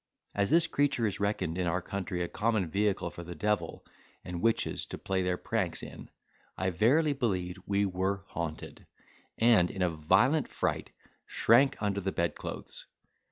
As this creature is reckoned in our country a common vehicle for the devil and witches to play their pranks in, I verily believed we were haunted; and, in a violent fright, shrank under the bedclothes.